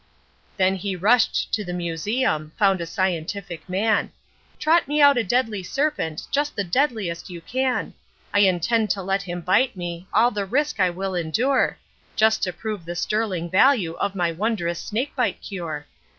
Then he rushed to the museum, found a scientific man 'Trot me out a deadly serpent, just the deadliest you can; I intend to let him bite me, all the risk I will endure, Just to prove the sterling value of my wondrous snakebite cure.